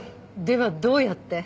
ではどうやって？